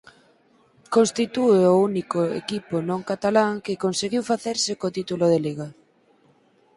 Constitúe o único equipo non catalán que conseguiu facerse co título de liga.